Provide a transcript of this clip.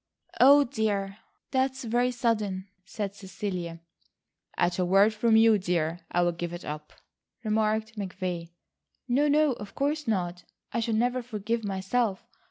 "Oh, dear. That's very sudden," said Cecilia. "At a word from you, dear, I'll give it up," remarked McVay. "No, no, of course not. I should never forgive myself.